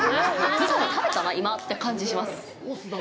釜山を食べたな、今って感じがします。